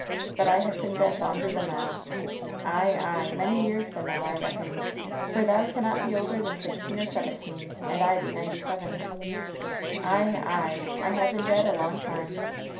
But I have been dead longer than ihoa ! Ay, ay, many years than thou, I reckon ; for thou cannot be older than sixteen or seventeen, and I be ninety seven. Ay, ay, I ha' been dead a long time."